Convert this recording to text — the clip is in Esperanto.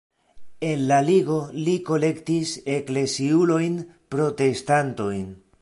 En la ligo li kolektis ekleziulojn-protestantojn.